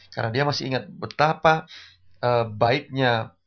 karena dia masih ingat betapa baiknya